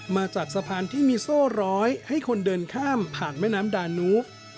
มาจากสะพานที่มีโซ่ร้อยให้คนเดินข้ามผ่านแม่น้ำดานู